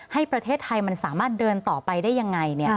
ให้ประเทศไทยมันสามารถเดินต่อไปได้ยังไง